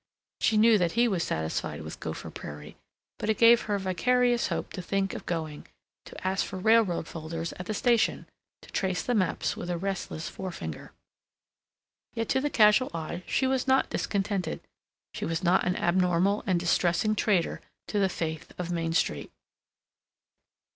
She knew that he was satisfied with Gopher Prairie, but it gave her vicarious hope to think of going, to ask for railroad folders at the station, to trace the maps with a restless forefinger. Yet to the casual eye she was not discontented, she was not an abnormal and distressing traitor to the faith of Main Street.